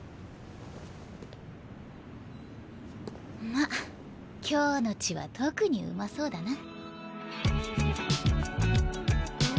まっ今日の血は特にうまそうだな。